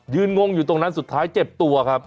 งงอยู่ตรงนั้นสุดท้ายเจ็บตัวครับ